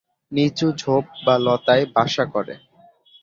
নিচু ঝোপ বা লতায় বাসা করে।